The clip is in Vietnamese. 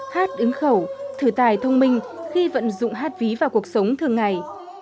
hát ứng khẩu thử tài thông minh khi vận dụng hát ví vào cuộc sống thường ngày